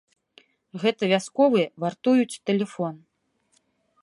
Гэта вясковыя вартуюць тэлефон.